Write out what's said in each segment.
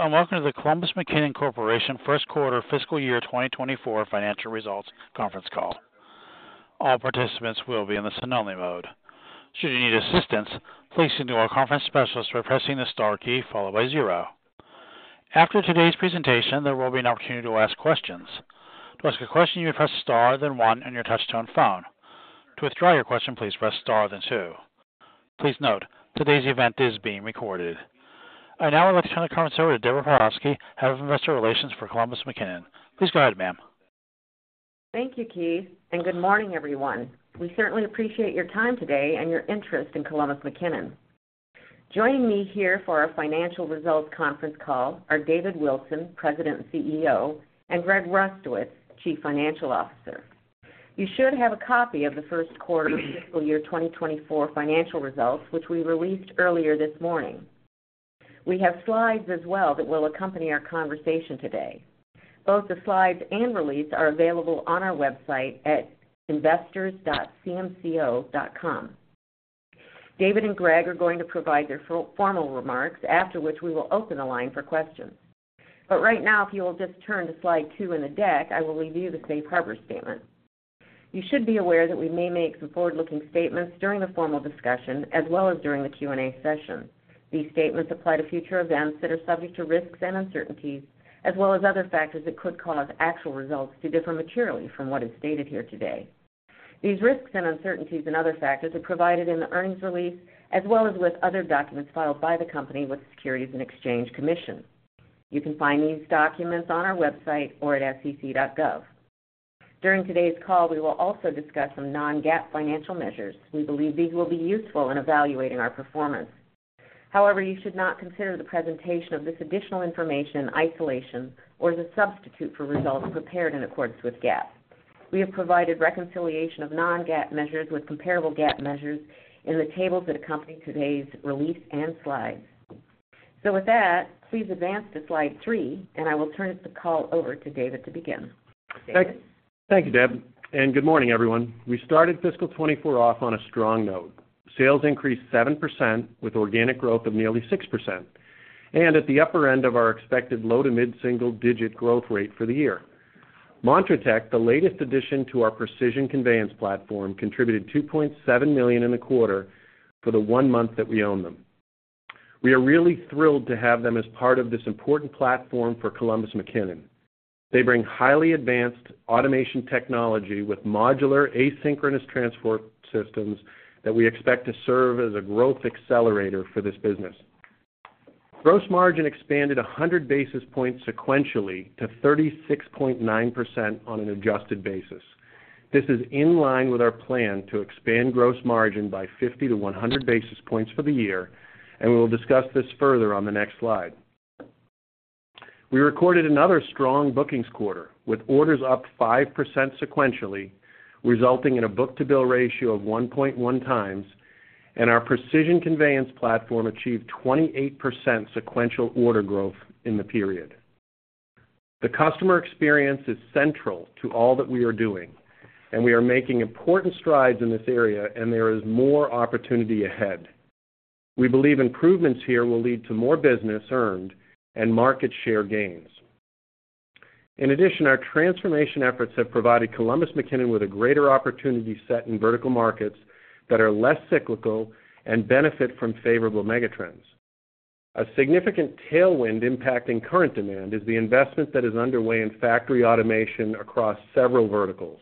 Hello, welcome to the Columbus McKinnon Corporation First Quarter Fiscal Year 2024 Financial Results Conference Call. All participants will be in the listen-only mode. Should you need assistance, please signal our conference specialist by pressing the star key, followed by zero. After today's presentation, there will be an opportunity to ask questions. To ask a question, you would press star, then one on your touch-tone phone. To withdraw your question, please press star, then two. Please note, today's event is being recorded. I'd now like to turn the conference over to Deborah Pawlowski, Head of Investor Relations for Columbus McKinnon. Please go ahead, ma'am. Thank you, Keith. Good morning, everyone. We certainly appreciate your time today and your interest in Columbus McKinnon. Joining me here for our Financial Results Conference Call are David Wilson, President and CEO, and Greg Rustowicz, Chief Financial Officer. You should have a copy of the First Quarter Fiscal Year 2024 financial results, which we released earlier this morning. We have slides as well that will accompany our conversation today. Both the slides and release are available on our website at investors.cmco.com. David and Greg are going to provide their formal remarks, after which we will open the line for questions. Right now, if you will just turn to slide two in the deck, I will read you the safe harbor statement. You should be aware that we may make some forward-looking statements during the formal discussion as well as during the Q&A session. These statements apply to future events that are subject to risks and uncertainties, as well as other factors that could cause actual results to differ materially from what is stated here today. These risks and uncertainties and other factors are provided in the earnings release, as well as with other documents filed by the company with the Securities and Exchange Commission. You can find these documents on our website or at sec.gov. During today's call, we will also discuss some non-GAAP financial measures. We believe these will be useful in evaluating our performance. However, you should not consider the presentation of this additional information in isolation or as a substitute for results prepared in accordance with GAAP. We have provided reconciliation of non-GAAP measures with comparable GAAP measures in the tables that accompany today's release and slides. With that, please advance to slide three, and I will turn the call over to David to begin. David? Thank you, Deb, and good morning, everyone. We started fiscal 2024 off on a strong note. Sales increased 7%, with organic growth of nearly 6%, and at the upper end of our expected low to mid-single-digit growth rate for the year. Montratec, the latest addition to our precision conveyance platform, contributed $2.7 million in the quarter for the one month that we own them. We are really thrilled to have them as part of this important platform for Columbus McKinnon. They bring highly advanced automation technology with modular, asynchronous transport systems that we expect to serve as a growth accelerator for this business. Gross margin expanded 100 basis points sequentially to 36.9% on an adjusted basis. This is in line with our plan to expand gross margin by 50-100 basis points for the year. We will discuss this further on the next slide. We recorded another strong bookings quarter, with orders up 5% sequentially, resulting in a Book-to-Bill ratio of 1.1x. Our precision conveyance platform achieved 28% sequential order growth in the period. The customer experience is central to all that we are doing. We are making important strides in this area. There is more opportunity ahead. We believe improvements here will lead to more business earned and market share gains. In addition, our transformation efforts have provided Columbus McKinnon with a greater opportunity set in vertical markets that are less cyclical and benefit from favorable megatrends. A significant tailwind impacting current demand is the investment that is underway in factory automation across several verticals.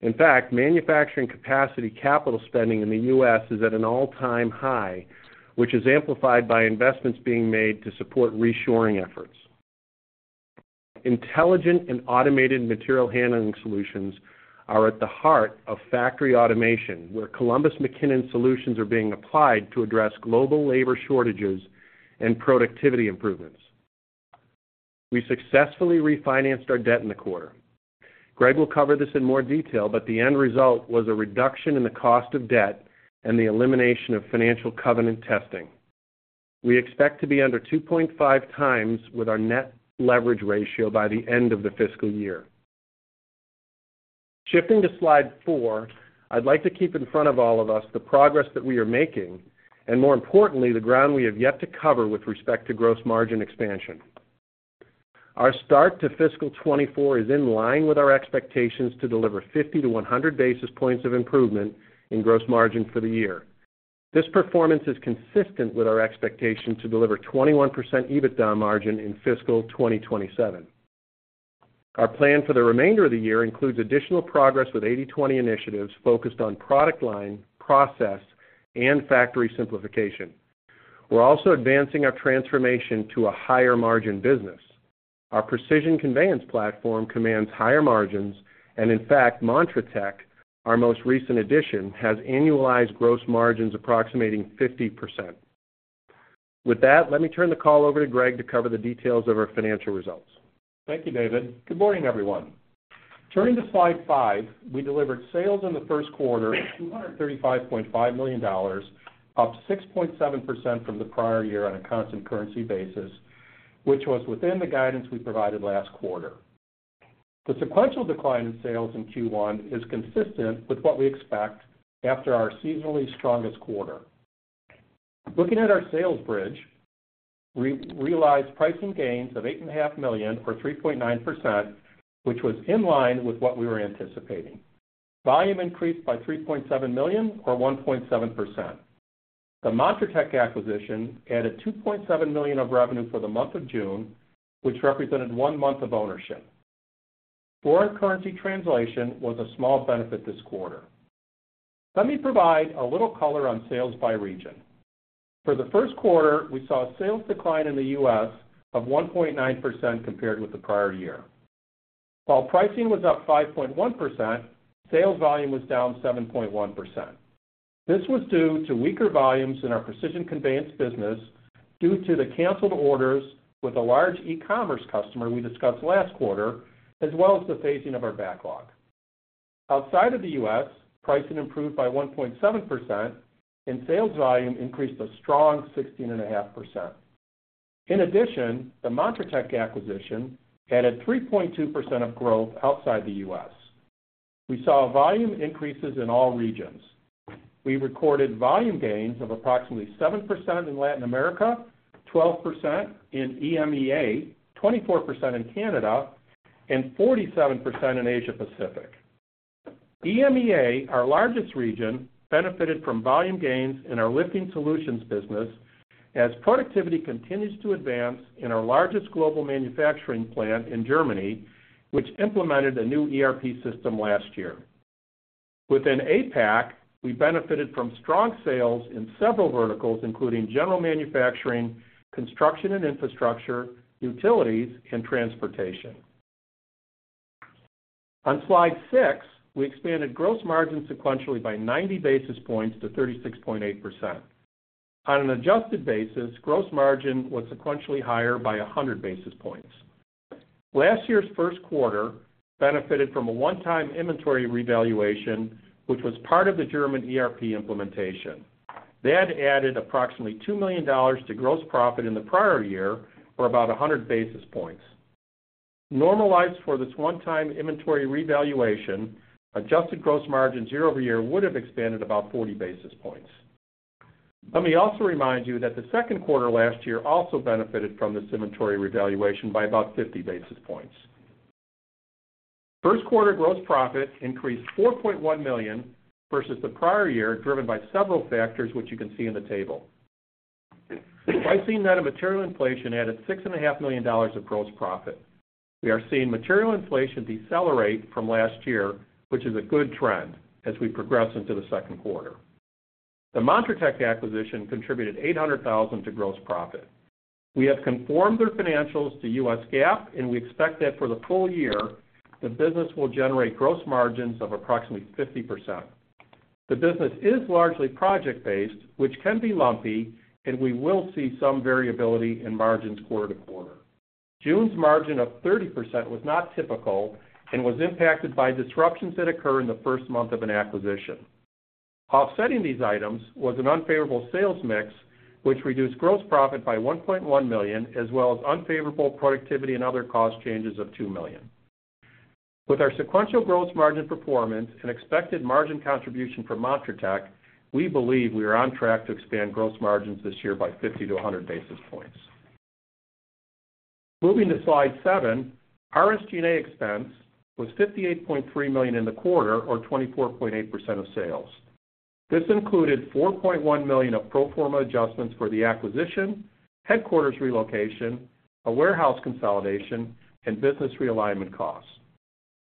In fact, manufacturing capacity capital spending in the U.S. is at an all-time high, which is amplified by investments being made to support reshoring efforts. Intelligent and automated material handling solutions are at the heart of factory automation, where Columbus McKinnon solutions are being applied to address global labor shortages and productivity improvements. We successfully refinanced our debt in the quarter. Greg will cover this in more detail, but the end result was a reduction in the cost of debt and the elimination of financial covenant testing. We expect to be under 2.5x with our net leverage ratio by the end of the fiscal year. Shifting to slide four, I'd like to keep in front of all of us the progress that we are making, and more importantly, the ground we have yet to cover with respect to gross margin expansion. Our start to fiscal 2024 is in line with our expectations to deliver 50-100 basis points of improvement in gross margin for the year. This performance is consistent with our expectation to deliver 21% EBITDA margin in fiscal 2027. Our plan for the remainder of the year includes additional progress with 80/20 initiatives focused on product line, process, and factory simplification. We're also advancing our transformation to a higher margin business. Our precision conveyance platform commands higher margins, and in fact, montratec, our most recent addition, has annualized gross margins approximating 50%. With that, let me turn the call over to Greg to cover the details of our financial results. Thank you, David. Good morning, everyone. Turning to Slide five, we delivered sales in the First Quarter of $235.5 million, up 6.7% from the prior year on a constant currency basis, which was within the guidance we provided last quarter. The sequential decline in sales in Q1 is consistent with what we expect after our seasonally strongest quarter. Looking at our sales bridge, we realized pricing gains of $8.5 million, or 3.9%, which was in line with what we were anticipating. Volume increased by $3.7 million, or 1.7%. The montratec acquisition added $2.7 million of revenue for the month of June, which represented one month of ownership. Foreign currency translation was a small benefit this quarter. Let me provide a little color on sales by region. For the first quarter, we saw a sales decline in the U.S. of 1.9% compared with the prior year. While pricing was up 5.1%, sales volume was down 7.1%. This was due to weaker volumes in our precision conveyance business due to the canceled orders with a large e-commerce customer we discussed last quarter, as well as the phasing of our backlog. Outside of the U.S., pricing improved by 1.7%, and sales volume increased a strong 16.5%. In addition, the montratec acquisition added 3.2% of growth outside the U.S. We saw volume increases in all regions. We recorded volume gains of approximately 7% in Latin America, 12% in EMEA, 24% in Canada, and 47% in Asia Pacific. EMEA, our largest region, benefited from volume gains in our lifting solutions business as productivity continues to advance in our largest global manufacturing plant in Germany, which implemented a new ERP system last year. Within APAC, we benefited from strong sales in several verticals, including general manufacturing, construction and infrastructure, utilities, and transportation. On slide six, we expanded gross margin sequentially by 90 basis points to 36.8%. On an adjusted basis, gross margin was sequentially higher by 100 basis points. Last year's first quarter benefited from a one-time inventory revaluation, which was part of the German ERP implementation. That added approximately $2 million to gross profit in the prior year, or about 100 basis points. Normalized for this one-time inventory revaluation, adjusted gross margins year-over-year would have expanded about 40 basis points. Let me also remind you that the second quarter last year also benefited from this inventory revaluation by about 50 basis points. First quarter gross profit increased $4.1 million versus the prior year, driven by several factors, which you can see in the table. Pricing that of material inflation added $6.5 million of gross profit. We are seeing material inflation decelerate from last year, which is a good trend as we progress into the second quarter. The montratec acquisition contributed $800,000 to gross profit. We have conformed their financials to U.S. GAAP, and we expect that for the full year, the business will generate gross margins of approximately 50%. The business is largely project-based, which can be lumpy, and we will see some variability in margins quarter-to-quarter. June's margin of 30% was not typical and was impacted by disruptions that occur in the first month of an acquisition. Offsetting these items was an unfavorable sales mix, which reduced gross profit by $1.1 million, as well as unfavorable productivity and other cost changes of $2 million. With our sequential gross margin performance and expected margin contribution from montratec, we believe we are on track to expand gross margins this year by 50-100 basis points. Moving to slide seven. Our SG&A expense was $58.3 million in the quarter, or 24.8% of sales. This included $4.1 million of pro forma adjustments for the acquisition, headquarters relocation, a warehouse consolidation, and business realignment costs.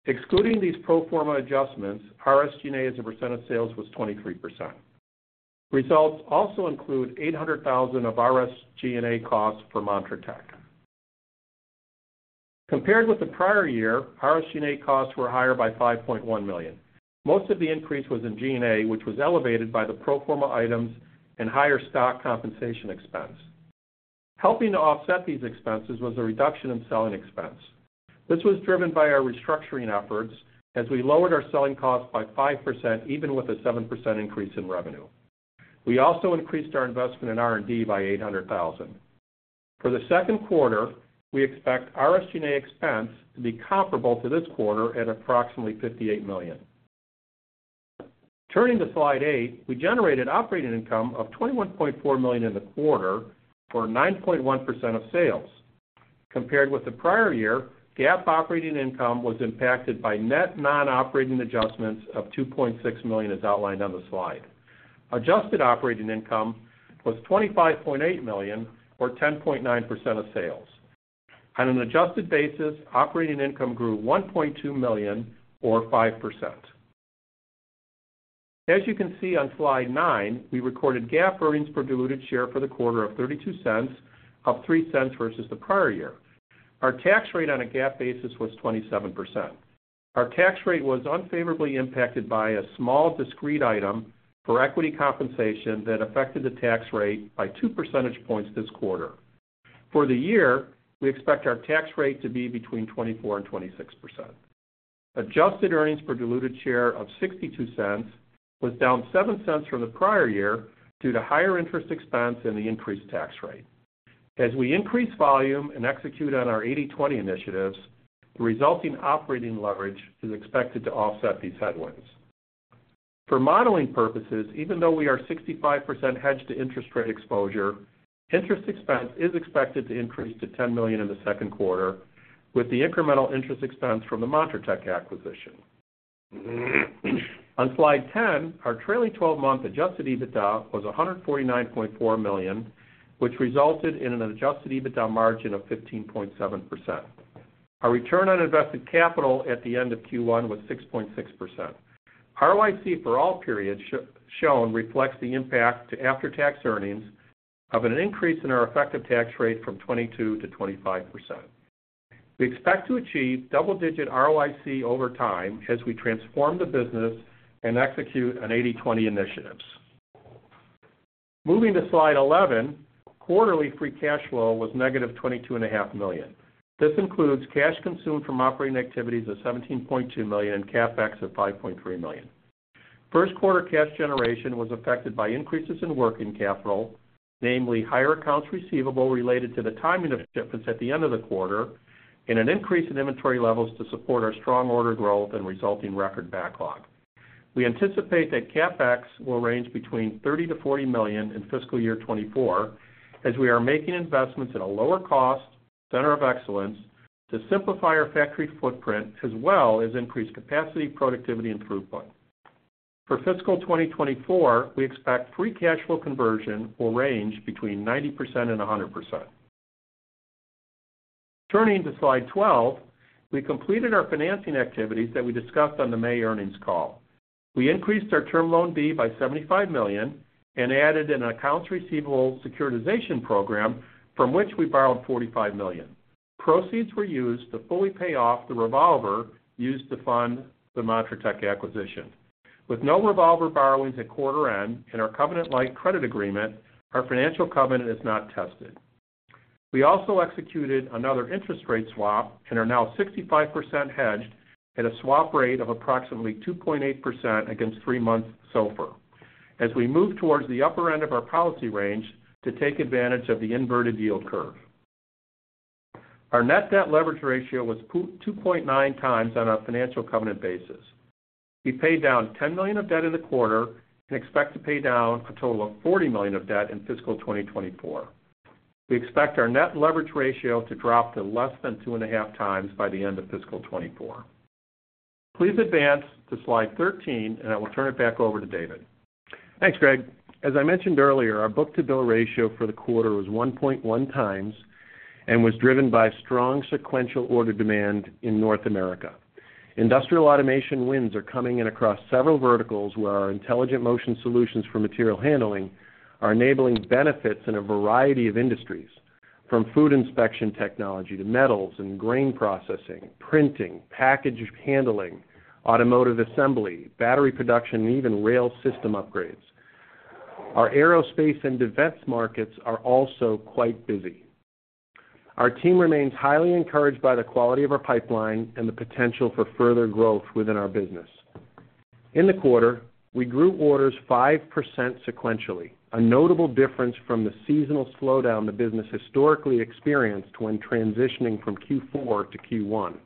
Excluding these pro forma adjustments, our SG&A as a percent of sales was 23%. Results also include $800,000 of our SG&A costs for montratec. Compared with the prior year, our SG&A costs were higher by $5.1 million. Most of the increase was in G&A, which was elevated by the pro forma items and higher stock compensation expense. Helping to offset these expenses was a reduction in selling expense. This was driven by our restructuring efforts as we lowered our selling costs by 5%, even with a 7% increase in revenue. We also increased our investment in R&D by $800,000. For the second quarter, we expect our SG&A expense to be comparable to this quarter at approximately $58 million. Turning to slide eight, we generated operating income of $21.4 million in the quarter, or 9.1% of sales. Compared with the prior year, GAAP operating income was impacted by net non-operating adjustments of $2.6 million, as outlined on the slide. Adjusted operating income was $25.8 million, or 10.9% of sales. On an adjusted basis, operating income grew $1.2 million, or 5%. As you can see on slide nine, we recorded GAAP earnings per diluted share for the quarter of $0.32, up $0.03 versus the prior year. Our tax rate on a GAAP basis was 27%. Our tax rate was unfavorably impacted by a small discrete item for equity compensation that affected the tax rate by 2 percentage points this quarter. For the year, we expect our tax rate to be between 24% and 26%. Adjusted earnings per diluted share of $0.62 was down $0.07 from the prior year due to higher interest expense and the increased tax rate. As we increase volume and execute on our 80/20 initiatives, the resulting operating leverage is expected to offset these headwinds. For modeling purposes, even though we are 65% hedged to interest rate exposure, interest expense is expected to increase to $10 million in the second quarter, with the incremental interest expense from the montratec acquisition. On Slide 10, our trailing 12 month Adjusted EBITDA was $149.4 million, which resulted in an Adjusted EBITDA margin of 15.7%. Our return on invested capital at the end of Q1 was 6.6%. ROIC for all periods shown reflects the impact to after-tax earnings of an increase in our effective tax rate from 22%-25%. We expect to achieve double-digit ROIC over time as we transform the business and execute on 80/20 initiatives. Moving to Slide 11, quarterly free cash flow was negative $22.5 million. This includes cash consumed from operating activities of $17.2 million and CapEx of $5.3 million. First quarter cash generation was affected by increases in working capital, namely higher accounts receivable related to the timing of shipments at the end of the quarter, and an increase in inventory levels to support our strong order growth and resulting record backlog. We anticipate that CapEx will range between $30 million-$40 million in fiscal year 2024, as we are making investments at a lower cost center of excellence to simplify our factory footprint, as well as increase capacity, productivity, and throughput. For fiscal 2024, we expect free cash flow conversion will range between 90% and 100%. Turning to Slide 12, we completed our financing activities that we discussed on the May earnings call. We increased our term loan B by $75 million and added an accounts receivable securitization program, from which we borrowed $45 million. Proceeds were used to fully pay off the revolver used to fund the montratec acquisition. With no revolver borrowings at quarter end and our covenant-like credit agreement, our financial covenant is not tested. We also executed another interest rate swap and are now 65% hedged at a swap rate of approximately 2.8% against three month SOFR, as we move towards the upper end of our policy range to take advantage of the inverted yield curve. Our net debt leverage ratio was 2.9x on our financial covenant basis. We paid down $10 million of debt in the quarter and expect to pay down a total of $40 million of debt in fiscal 2024. We expect our net leverage ratio to drop to less than 2.5x by the end of fiscal 2024. Please advance to Slide 13, and I will turn it back over to David. Thanks, Greg. As I mentioned earlier, our Book-to-Bill ratio for the quarter was 1.1x and was driven by strong sequential order demand in North America. Industrial automation wins are coming in across several verticals, where our intelligent motion solutions for material handling are enabling benefits in a variety of industries, from food inspection technology to metals and grain processing, printing, package handling, automotive assembly, battery production, and even rail system upgrades. Our aerospace and defense markets are also quite busy. Our team remains highly encouraged by the quality of our pipeline and the potential for further growth within our business. In the quarter, we grew orders 5% sequentially, a notable difference from the seasonal slowdown the business historically experienced when transitioning from Q4-Q1.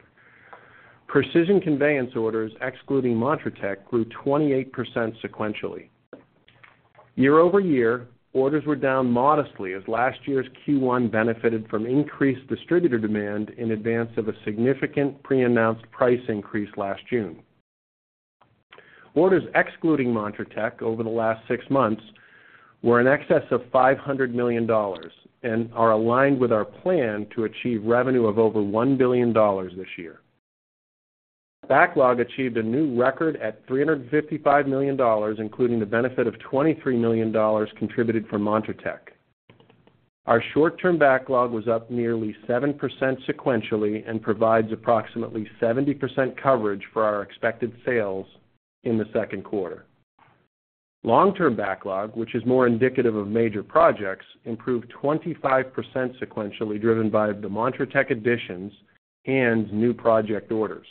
Precision conveyance orders, excluding montratec, grew 28% sequentially. Year-over-year, orders were down modestly as last year's Q1 benefited from increased distributor demand in advance of a significant pre-announced price increase last June. Orders excluding montratec over the last six months were in excess of $500 million and are aligned with our plan to achieve revenue of over $1 billion this year. Backlog achieved a new record at $355 million, including the benefit of $23 million contributed from montratec. Our short-term backlog was up nearly 7% sequentially and provides approximately 70% coverage for our expected sales in the second quarter. Long-term backlog, which is more indicative of major projects, improved 25% sequentially, driven by the montratec additions and new project orders.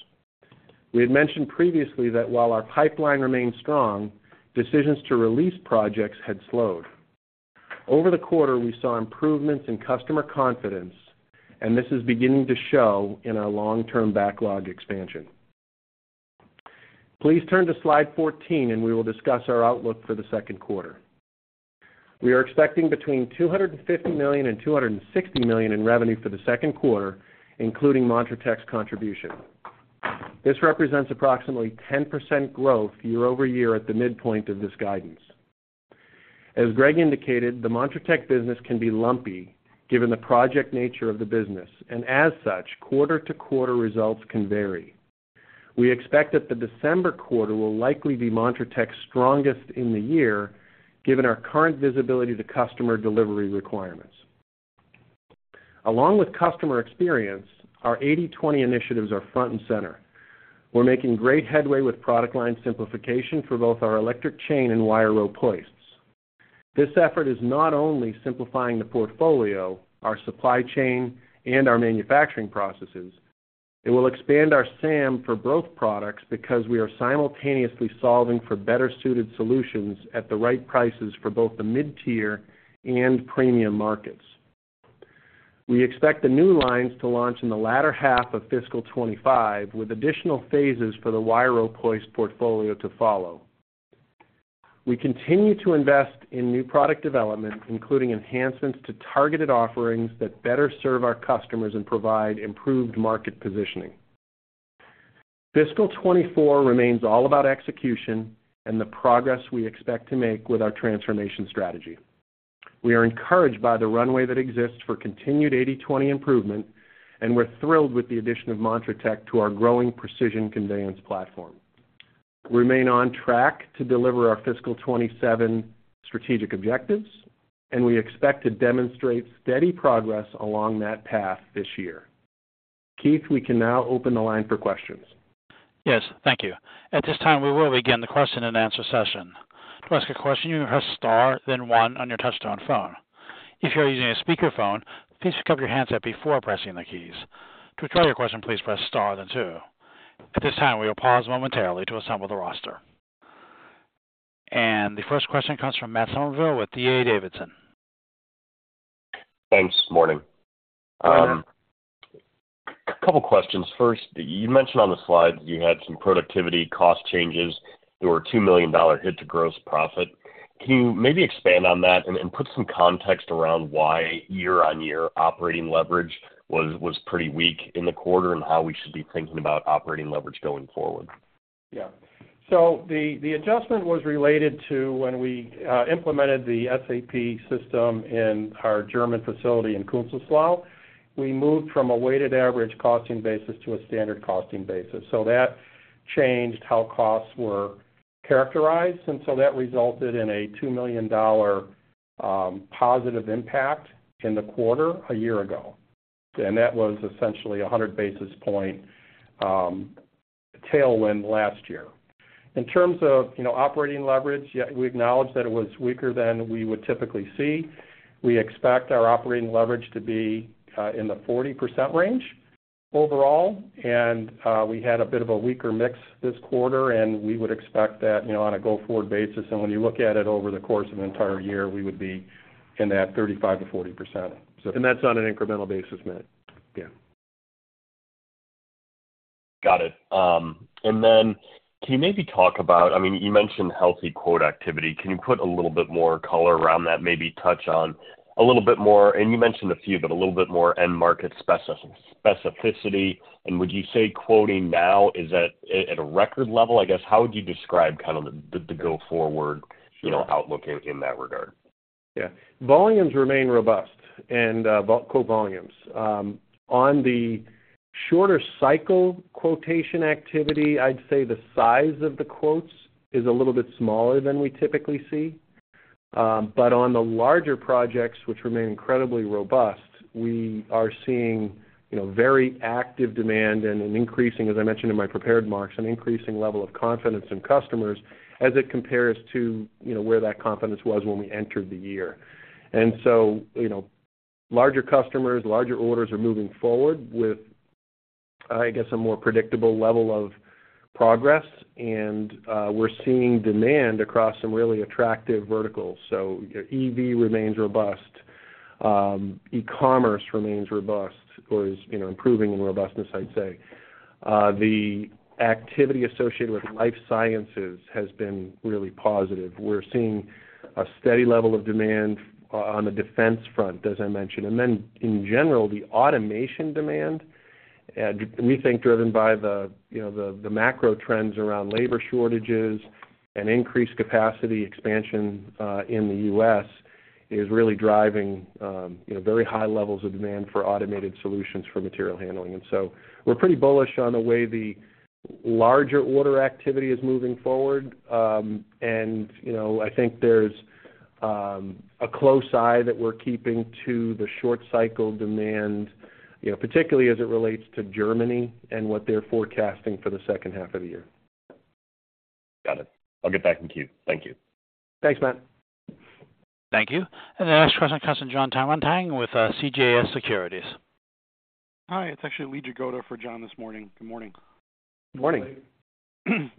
We had mentioned previously that while our pipeline remained strong, decisions to release projects had slowed. Over the quarter, we saw improvements in customer confidence, and this is beginning to show in our long-term backlog expansion. Please turn to Slide 14, and we will discuss our outlook for the second quarter. We are expecting between $250 million and $260 million in revenue for the second quarter, including montratec's contribution. This represents approximately 10% growth year-over-year at the midpoint of this guidance. As Greg indicated, the montratec business can be lumpy, given the project nature of the business, and as such, quarter-to-quarter results can vary. We expect that the December quarter will likely be montratec's strongest in the year, given our current visibility to customer delivery requirements. Along with customer experience, our 80/20 initiatives are front and center. We're making great headway with product line simplification for both our electric chain and wire rope hoists. This effort is not only simplifying the portfolio, our supply chain, and our manufacturing processes,... It will expand our SAM for both products because we are simultaneously solving for better suited solutions at the right prices for both the mid-tier and premium markets. We expect the new lines to launch in the latter half of fiscal 2025, with additional phases for the Vero-Poise portfolio to follow. We continue to invest in new product development, including enhancements to targeted offerings that better serve our customers and provide improved market positioning. Fiscal 2024 remains all about execution and the progress we expect to make with our transformation strategy. We are encouraged by the runway that exists for continued 80/20 improvement, and we're thrilled with the addition of montratec to our growing precision conveyance platform. We remain on track to deliver our fiscal 2027 strategic objectives, and we expect to demonstrate steady progress along that path this year. Keith, we can now open the line for questions. Yes, thank you. At this time, we will begin the question-and-answer session. To ask a question, you can press star, then one on your touch-tone phone. If you are using a speakerphone, please pick up your handset before pressing the keys. To withdraw your question, please press star, then two. At this time, we will pause momentarily to assemble the roster. The first question comes from Matt Summerville with D.A. Davidson. Thanks. Morning. Hi, Matt. A couple questions. First, you mentioned on the slide that you had some productivity cost changes. There were $2 million hit to gross profit. Can you maybe expand on that and put some context around why year-on-year operating leverage was, was pretty weak in the quarter, and how we should be thinking about operating leverage going forward? Yeah. The adjustment was related to when we implemented the SAP system in our German facility in Künzelsau. We moved from a weighted average costing basis to a standard costing basis, so that changed how costs were characterized, and so that resulted in a $2 million positive impact in the quarter a year ago. That was essentially a 100 basis point tailwind last year. In terms of, you know, operating leverage, yeah, we acknowledge that it was weaker than we would typically see. We expect our operating leverage to be in the 40% range overall, and we had a bit of a weaker mix this quarter, and we would expect that, you know, on a go-forward basis, and when you look at it over the course of an entire year, we would be in that 35%-40%. That's on an incremental basis, Matt. Yeah. Got it. And then can you maybe talk about... I mean, you mentioned healthy quote activity. Can you put a little bit more color around that, maybe touch on a little bit more, and you mentioned a few, but a little bit more end market speci-specificity, and would you say quoting now, is at, at a record level? I guess, how would you describe kind of the, the go forward- Sure you know, outlook in, in that regard? Yeah. Volumes remain robust and quote volumes. On the shorter cycle quotation activity, I'd say the size of the quotes is a little bit smaller than we typically see. On the larger projects, which remain incredibly robust, we are seeing, you know, very active demand and an increasing, as I mentioned in my prepared remarks, an increasing level of confidence in customers as it compares to, you know, where that confidence was when we entered the year. You know, larger customers, larger orders are moving forward with, I guess, a more predictable level of progress. We're seeing demand across some really attractive verticals. EV remains robust. E-commerce remains robust, or is, you know, improving in robustness, I'd say. The activity associated with life sciences has been really positive. We're seeing a steady level of demand on the defense front, as I mentioned. In general, the automation demand, we think, driven by the, you know, the macro trends around labor shortages and increased capacity expansion in the U.S., is really driving, you know, very high levels of demand for automated solutions for material handling. We're pretty bullish on the way the larger order activity is moving forward. I think there's a close eye that we're keeping to the short cycle demand, you know, particularly as it relates to Germany and what they're forecasting for the second half of the year. Got it. I'll get back in queue. Thank you. Thanks, Matt. Thank you. The next question comes from Jon Tanwanteng with CJS Securities. Hi, it's actually Lee Jagoda for John this morning. Good morning. Good morning.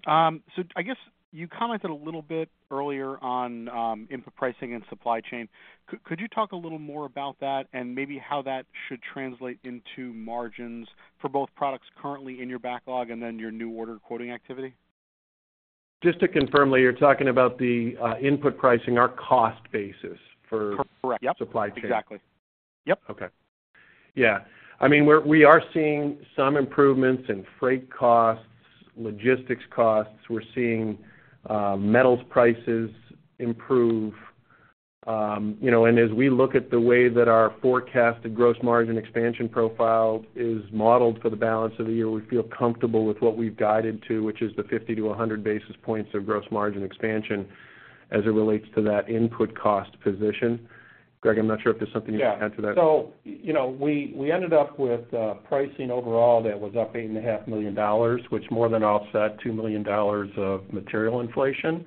I guess you commented a little bit earlier on input pricing and supply chain. Could you talk a little more about that and maybe how that should translate into margins for both products currently in your backlog and then your new order quoting activity? Just to confirm, Lee, you're talking about the, input pricing, our cost basis for- Correct. Yep. Supply chain. Exactly. Yep. Okay. Yeah. I mean, we are seeing some improvements in freight costs, logistics costs. We're seeing metals prices improve. You know, and as we look at the way that our forecasted gross margin expansion profile is modeled for the balance of the year, we feel comfortable with what we've guided to, which is the 50-100 basis points of gross margin expansion as it relates to that input cost position. Greg, I'm not sure if there's something you can add to that. Yeah. You know, we, we ended up with pricing overall that was up $8.5 million, which more than offset $2 million of material inflation.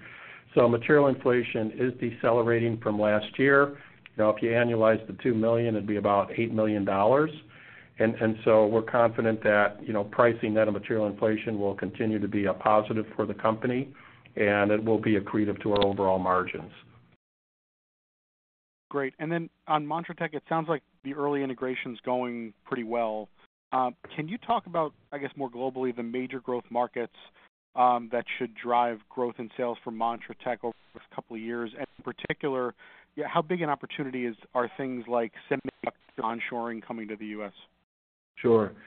Material inflation is decelerating from last year. Now, if you annualize the $2 million, it'd be about $8 million. We're confident that, you know, pricing net of material inflation will continue to be a positive for the company, and it will be accretive to our overall margins. Great. Then on montratec, it sounds like the early integration is going pretty well. Can you talk about, I guess, more globally, the major growth markets, that should drive growth in sales for montratec over the first couple of years? In particular, how big an opportunity are things like semiconductor onshoring coming to the U.S.? Sure. Yeah,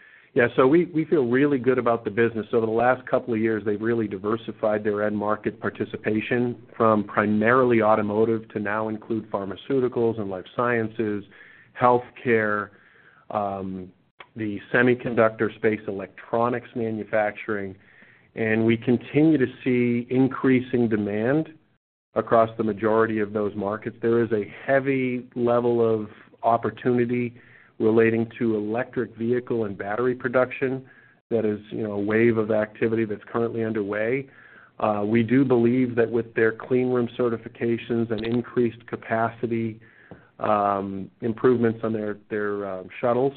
we, we feel really good about the business. The last two years, they've really diversified their end market participation from primarily automotive to now include pharmaceuticals and life sciences, healthcare, the semiconductor space, electronics manufacturing. We continue to see increasing demand across the majority of those markets. There is a heavy level of opportunity relating to electric vehicle and battery production. That is, you know, a wave of activity that's currently underway. We do believe that with their clean room certifications and increased capacity, improvements on their, their, shuttles,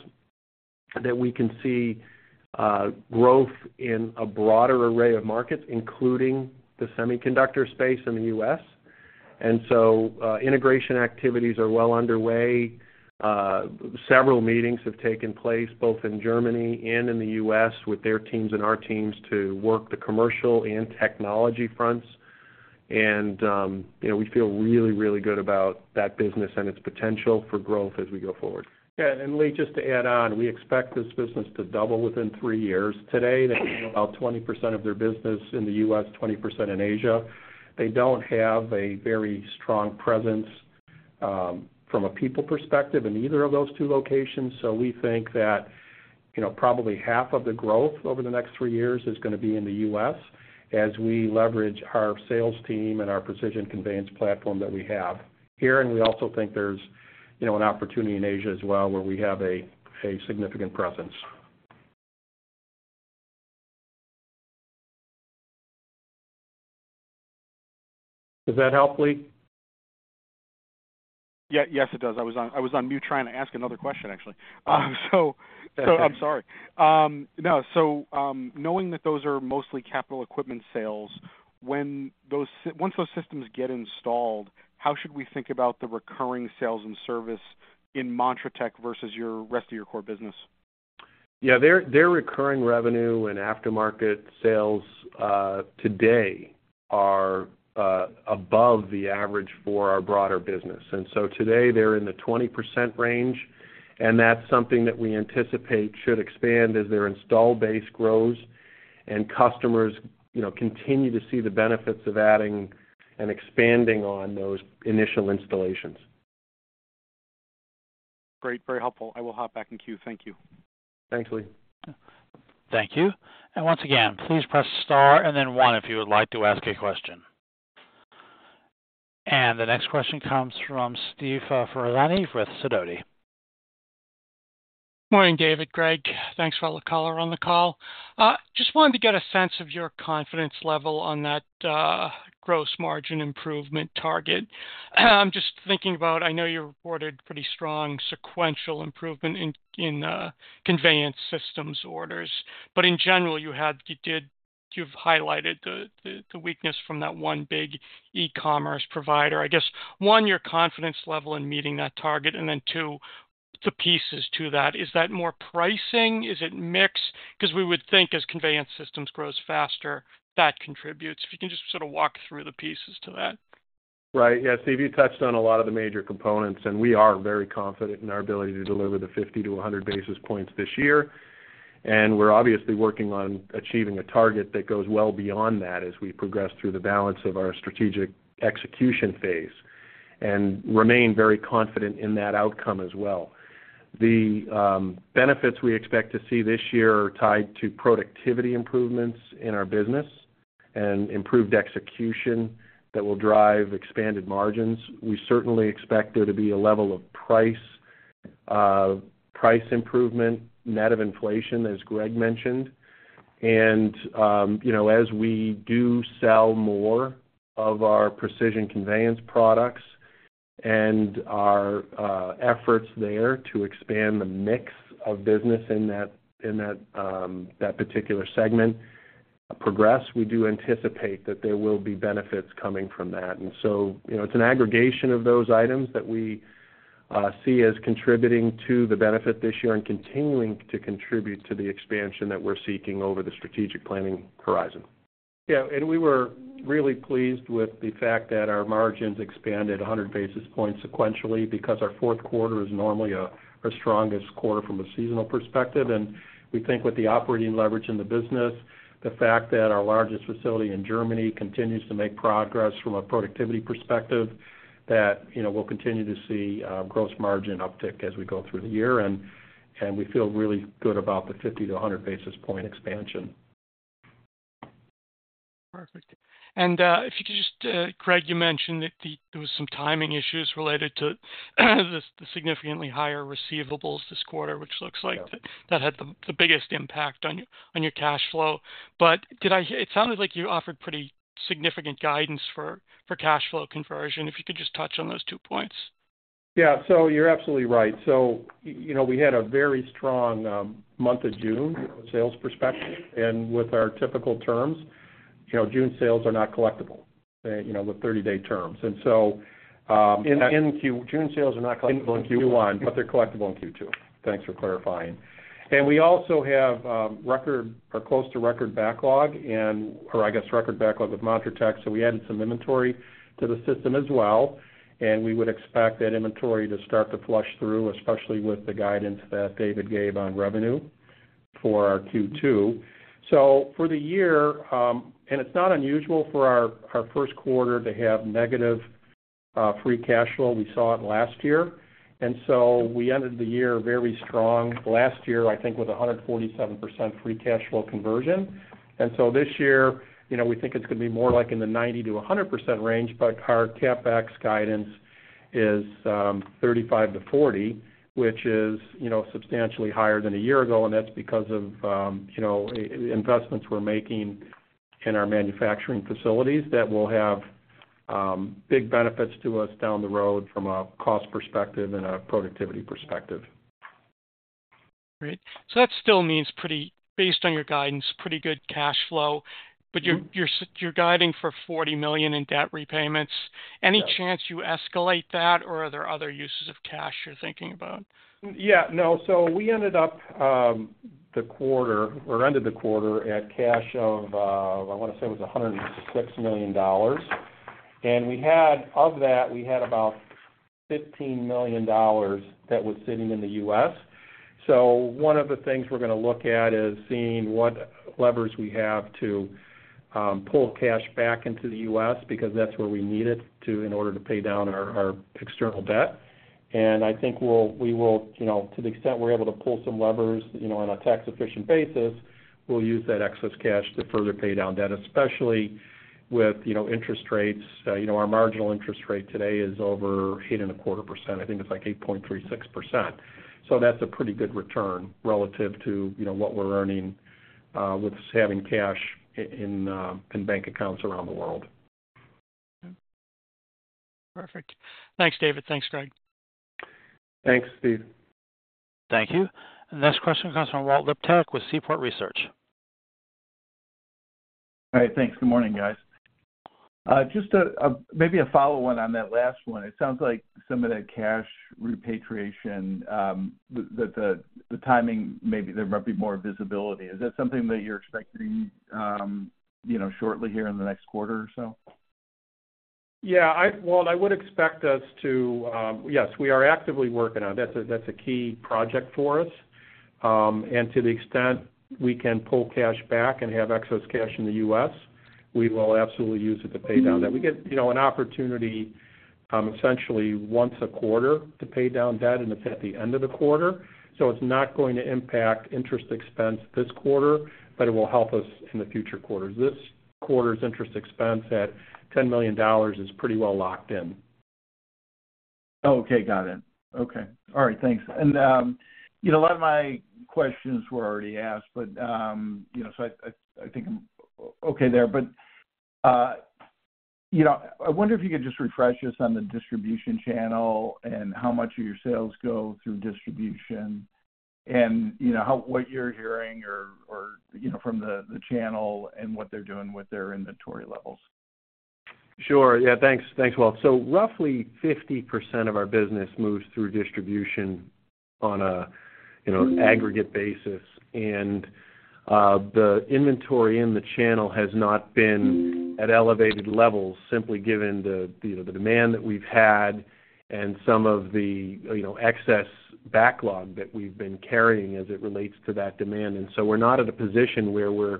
that we can see growth in a broader array of markets, including the semiconductor space in the U.S. Integration activities are well underway. Several meetings have taken place, both in Germany and in the U.S., with their teams and our teams to work the commercial and technology fronts. You know, we feel really, really good about that business and its potential for growth as we go forward. Yeah, Lee, just to add on, we expect this business to double within three years. Today, they do about 20% of their business in the U.S., 20% in Asia. They don't have a very strong presence, from a people perspective in either of those two locations. We think that, you know, probably 50% of the growth over the next three years is gonna be in the U.S., as we leverage our sales team and our precision conveyance platform that we have here. We also think there's, you know, an opportunity in Asia as well, where we have a, a significant presence. Is that helpful, Lee? Yeah. Yes, it does. I was on, I was on mute trying to ask another question, actually. I'm sorry. Knowing that those are mostly capital equipment sales, when those once those systems get installed, how should we think about the recurring sales and service in montratec versus your rest of your core business? Yeah, their, their recurring revenue and aftermarket sales, today are above the average for our broader business. Today, they're in the 20% range, and that's something that we anticipate should expand as their install base grows and customers, you know, continue to see the benefits of adding and expanding on those initial installations. Great. Very helpful. I will hop back in queue. Thank you. Thanks, Lee. Thank you. Once again, please press star and then one, if you would like to ask a question. The next question comes from Steve Ferazani with Sidoti. Morning, David, Greg. Thanks for all the color on the call. Just wanted to get a sense of your confidence level on that gross margin improvement target. Just thinking about, I know you reported pretty strong sequential improvement in, in conveyance systems orders, but in general, you've highlighted the, the, the weakness from that one big e-commerce provider. I guess, one, your confidence level in meeting that target, and then two, the pieces to that. Is that more pricing? Is it mix? We would think as conveyance systems grows faster, that contributes. If you can just sort of walk through the pieces to that. Right. Yeah, Steve, you touched on a lot of the major components. We are very confident in our ability to deliver the 50-100 basis points this year. We're obviously working on achieving a target that goes well beyond that as we progress through the balance of our strategic execution phase, and remain very confident in that outcome as well. The benefits we expect to see this year are tied to productivity improvements in our business and improved execution that will drive expanded margins. We certainly expect there to be a level of price improvement, net of inflation, as Greg mentioned. You know, as we do sell more of our precision conveyance products and our efforts there to expand the mix of business in that, in that, that particular segment progress, we do anticipate that there will be benefits coming from that. You know, it's an aggregation of those items that we see as contributing to the benefit this year and continuing to contribute to the expansion that we're seeking over the strategic planning horizon. We were really pleased with the fact that our margins expanded 100 basis points sequentially, because our fourth quarter is normally our strongest quarter from a seasonal perspective. We think with the operating leverage in the business, the fact that our largest facility in Germany continues to make progress from a productivity perspective, that, you know, we'll continue to see a gross margin uptick as we go through the year. We feel really good about the 50-100 basis point expansion.... Perfect. If you could just, Greg, you mentioned that there was some timing issues related to the, the significantly higher receivables this quarter, which looks like- Yeah. that had the, the biggest impact on your, on your cash flow. did I hear-- it sounded like you offered pretty significant guidance for, for cash flow conversion, if you could just touch on those two points? Yeah. You're absolutely right. You know, we had a very strong, month of June from a sales perspective, with our typical terms, you know, June sales are not collectible, you know, with 30-day terms. In June sales are not collectible in Q1, but they're collectible in Q2. Thanks for clarifying. We also have record or close to record backlog and, or I guess, record backlog with montratec. We added some inventory to the system as well, and we would expect that inventory to start to flush through, especially with the guidance that David gave on revenue for our Q2. For the year, it's not unusual for our, our first quarter to have negative free cash flow. We saw it last year, we ended the year very strong. Last year, I think, with 147% free cash flow conversion. This year, you know, we think it's going to be more like in the 90%-100% range. Our CapEx guidance is $35-$40, which is, you know, substantially higher than a year ago. That's because of, you know, investments we're making in our manufacturing facilities that will have big benefits to us down the road from a cost perspective and a productivity perspective. Great. That still means pretty, based on your guidance, pretty good cash flow. Mm-hmm. You're guiding for $40 million in debt repayments. Yes. Any chance you escalate that, or are there other uses of cash you're thinking about? No. We ended up the quarter or ended the quarter at cash of, I want to say it was $106 million. Of that, we had about $15 million that was sitting in the U.S. One of the things we're going to look at is seeing what levers we have to pull cash back into the U.S., because that's where we need it to, in order to pay down our, our external debt. I think we'll, we will, you know, to the extent we're able to pull some levers, you know, on a tax-efficient basis, we'll use that excess cash to further pay down debt, especially with, you know, interest rates. You know, our marginal interest rate today is over 8.25%. I think it's like 8.36%. That's a pretty good return relative to, you know, what we're earning, with just having cash in in bank accounts around the world. Okay. Perfect. Thanks, David. Thanks, Greg. Thanks, Steve. Thank you. The next question comes from Walt Liptak with Seaport Research. Hi, thanks. Good morning, guys. Just a, maybe a follow-on on that last one. It sounds like some of that cash repatriation, the, the, the timing, maybe there might be more visibility. Is that something that you're expecting, you know, shortly here in the next quarter or so? Yeah, I-- Walt, I would expect us to, Yes, we are actively working on it. That's a, that's a key project for us. To the extent we can pull cash back and have excess cash in the U.S., we will absolutely use it to pay down debt. We get, you know, an opportunity, essentially once a quarter to pay down debt, and it's at the end of the quarter, so it's not going to impact interest expense this quarter, but it will help us in the future quarters. This quarter's interest expense at $10 million is pretty well locked in. Okay, got it. Okay. All right, thanks. You know, a lot of my questions were already asked, but, you know, I think I'm okay there. You know, I wonder if you could just refresh us on the distribution channel and how much of your sales go through distribution, and, you know, how, what you're hearing or, you know, from the channel and what they're doing with their inventory levels. Sure. Yeah, thanks. Thanks, Walt. Roughly 50% of our business moves through distribution on a, you know, aggregate basis, and the inventory in the channel has not been at elevated levels simply given the, you know, the demand that we've had and some of the, you know, excess backlog that we've been carrying as it relates to that demand. We're not at a position where we're,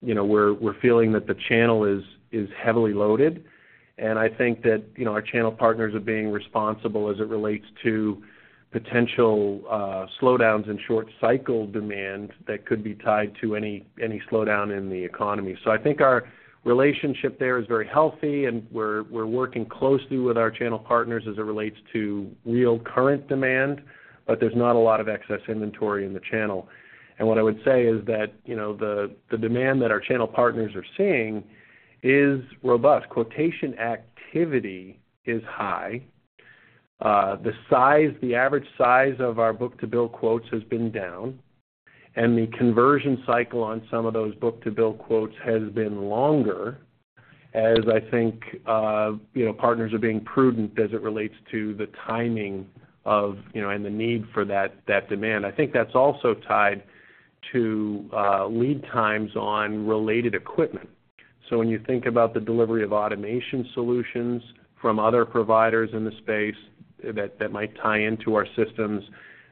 you know, we're, we're feeling that the channel is, is heavily loaded, and I think that, you know, our channel partners are being responsible as it relates to potential slowdowns in short cycle demand that could be tied to any, any slowdown in the economy. I think our relationship there is very healthy, and we're, we're working closely with our channel partners as it relates to real current demand, but there's not a lot of excess inventory in the channel. What I would say is that, you know, the, the demand that our channel partners are seeing is robust. Quotation activity is high, the size, the average size of our Book-to-Bill quotes has been down, and the conversion cycle on some of those Book-to-Bill quotes has been longer, as I think, you know, partners are being prudent as it relates to the timing of, you know, and the need for that, that demand. I think that's also tied to, lead times on related equipment. When you think about the delivery of automation solutions from other providers in the space that, that might tie into our systems,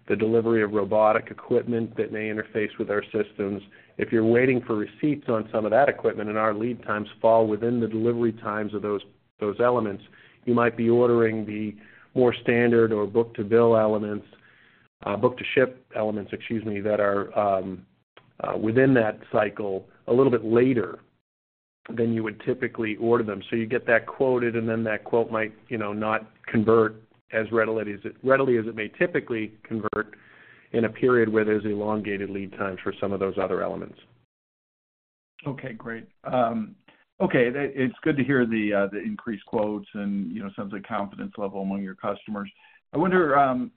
the delivery of robotic equipment that may interface with our systems. If you're waiting for receipts on some of that equipment, and our lead times fall within the delivery times of those, those elements, you might be ordering the more standard or Book-to-Bill elements, book-to-ship elements, excuse me, that are within that cycle a little bit later than you would typically order them. You get that quoted, and then that quote might, you know, not convert as readily as it may typically convert in a period where there's elongated lead times for some of those other elements. Okay, great. Okay, it's good to hear the increased quotes and, you know, sense of confidence level among your customers. I wonder,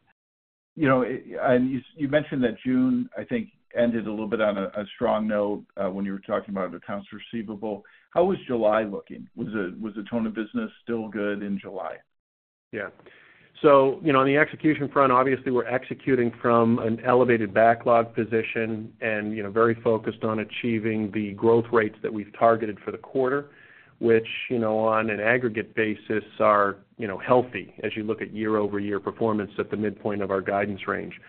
you know, and you, you mentioned that June, I think, ended a little bit on a strong note, when you were talking about accounts receivable. How was July looking? Was the, was the tone of business still good in July? Yeah. You know, on the execution front, obviously, we're executing from an elevated backlog position and, you know, very focused on achieving the growth rates that we've targeted for the quarter, which, you know, on an aggregate basis are, you know, healthy as you look at year-over-year performance at the midpoint of our guidance range.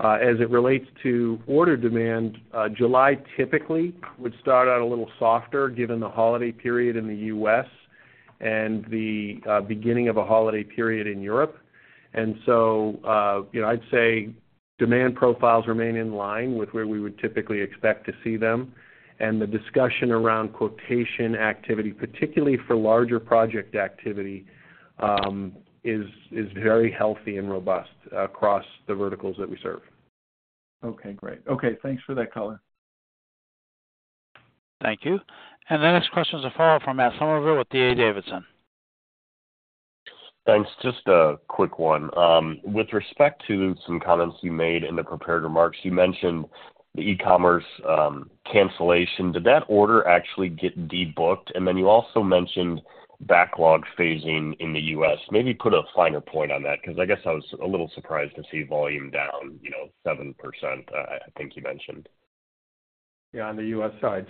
As it relates to order demand, July typically would start out a little softer, given the holiday period in the U.S. and the beginning of a holiday period in Europe. You know, I'd say demand profiles remain in line with where we would typically expect to see them. The discussion around quotation activity, particularly for larger project activity, is very healthy and robust across the verticals that we serve. Okay, great. Okay, thanks for that color. Thank you. The next question is far from Matt Summerville with D.A. Davidson. Thanks. Just a quick one. With respect to some comments you made in the prepared remarks, you mentioned the e-commerce cancellation. Did that order actually get de-booked? You also mentioned backlog phasing in the U.S. Maybe put a finer point on that, 'cause I guess I was a little surprised to see volume down, you know, 7%, I think you mentioned. Yeah, on the U.S. side.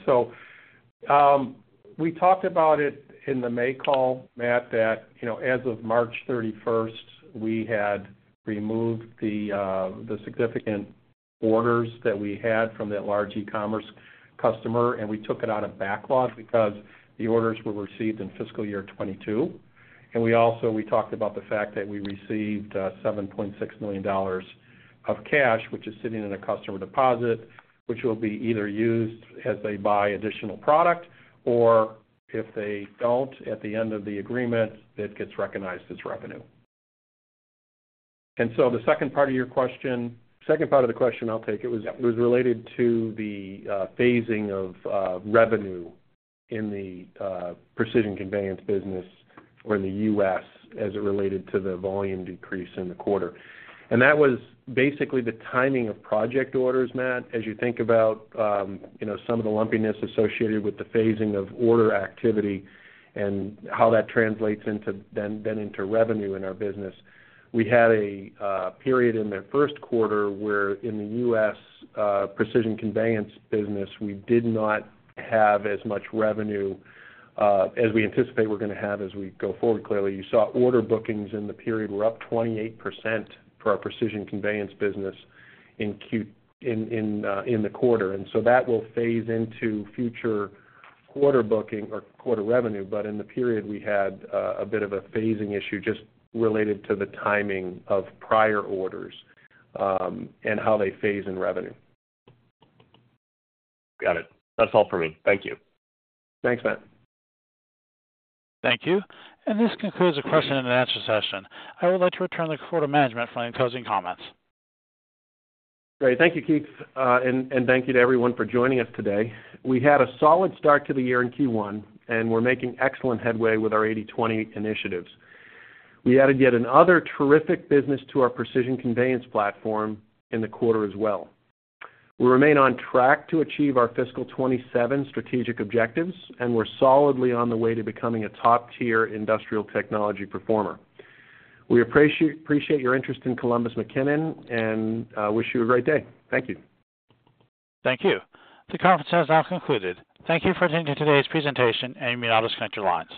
We talked about it in the May call, Matt, that, you know, as of March 31st, we had removed the significant orders that we had from that large e-commerce customer, and we took it out of backlog because the orders were received in fiscal year 2022. We also, we talked about the fact that we received $7.6 million of cash, which is sitting in a customer deposit, which will be either used as they buy additional product, or if they don't, at the end of the agreement, it gets recognized as revenue. The second part of your question, second part of the question I'll take, it was- Yep... it was related to the phasing of revenue in the precision conveyance business or in the U.S. as it related to the volume decrease in the quarter. That was basically the timing of project orders, Matt. As you think about, you know, some of the lumpiness associated with the phasing of order activity and how that translates then into revenue in our business. We had a period in the first quarter where in the U.S. precision conveyance business, we did not have as much revenue as we anticipate we're gonna have as we go forward. Clearly, you saw order bookings in the period were up 28% for our precision conveyance business in the quarter. That will phase into future quarter booking or quarter revenue. In the period, we had a bit of a phasing issue just related to the timing of prior orders, and how they phase in revenue. Got it. That's all for me. Thank you. Thanks, Matt. Thank you. This concludes the question-and-answer session. I would like to return the call to management for any closing comments. Great. Thank you, Keith, and thank you to everyone for joining us today. We had a solid start to the year in Q1, and we're making excellent headway with our 80/20 initiatives. We added yet another terrific business to our precision conveyance platform in the quarter as well. We remain on track to achieve our fiscal 2027 strategic objectives, and we're solidly on the way to becoming a top-tier industrial technology performer. We appreciate, appreciate your interest in Columbus McKinnon, and wish you a great day. Thank you. Thank you. The conference has now concluded. Thank you for attending today's presentation, and you may now disconnect your lines.